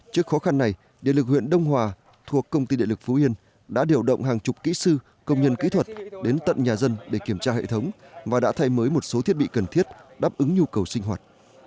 trước khó khăn này điện lực huyện đông hòa thuộc công ty địa lực phú yên đã điều động hàng chục kỹ sư công nhân kỹ thuật đến tận nhà dân để kiểm tra hệ thống và đã thay mới một số thiết bị cần thiết đáp ứng nhu cầu sinh hoạt